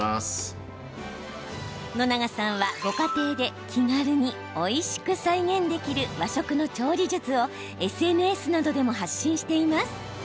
野永さんは、ご家庭で気軽に、おいしく再現できる和食の調理術をＳＮＳなどでも発信しています。